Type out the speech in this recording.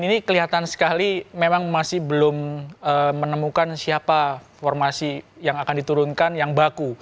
ini kelihatan sekali memang masih belum menemukan siapa formasi yang akan diturunkan yang baku